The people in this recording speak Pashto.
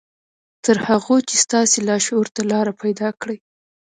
تر هغو چې ستاسې لاشعور ته لاره پيدا کړي.